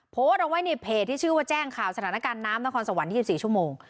โพสต์เอาไว้ในเพจที่ชื่อว่าแจ้งข่าวสถานการณ์น้ำนครสวรรค์๒๔ชั่วโมง